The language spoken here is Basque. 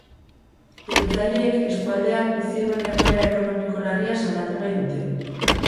Deitzaileek eskualdeak bizi duen egoera ekonomiko larria salatu nahi dute.